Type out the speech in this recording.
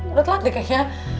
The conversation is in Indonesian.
udah telat deh kayaknya